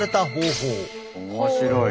面白い。